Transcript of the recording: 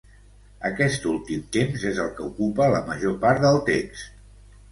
Aquest últim temps és el que ocupa la major part del text.